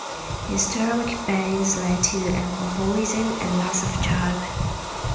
His stomach pains led to alcoholism and loss of job.